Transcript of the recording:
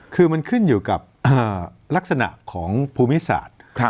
คือมันขึ้นอยู่กับลักษณะของภูมิศาสตร์